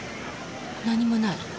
何もない。